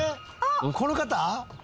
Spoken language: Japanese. この方？